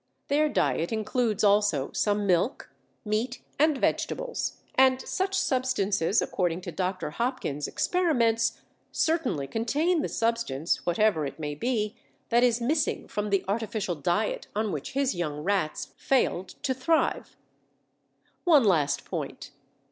Their diet includes also some milk, meat, and vegetables, and such substances, according to Dr Hopkins' experiments, certainly contain the substance, whatever it may be, that is missing from the artificial diet on which his young rats failed to thrive. One last point.